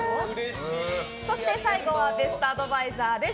そして最後はベストアドバイザーです。